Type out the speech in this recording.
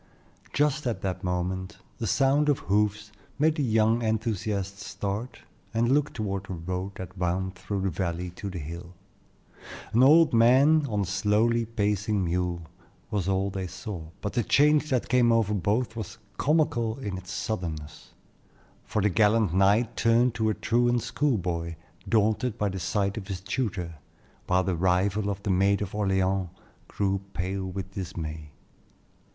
Just at that moment the sound of hoofs made the young enthusiasts start and look toward the road that wound through the valley to the hill. An old man on a slowly pacing mule was all they saw, but the change that came over both was comical in its suddenness; for the gallant knight turned to a truant school boy, daunted by the sight of his tutor, while the rival of the Maid of Orleans grew pale with dismay.